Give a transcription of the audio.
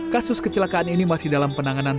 kasus kecelakaan ini masih dalam penanganan